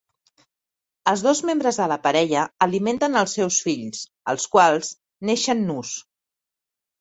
Els dos membres de la parella alimenten els seus fills, els quals neixen nus.